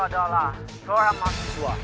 dia adalah seorang mahasiswa